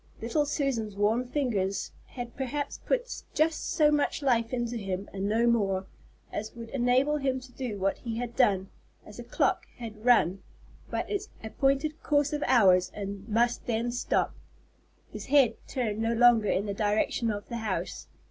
Little Susan's warm fingers had perhaps put just so much life into him, and no more, as would enable him to do what he had done, as a clock can run but its appointed course of hours and must then stop. His head turned no longer in the direction of the house.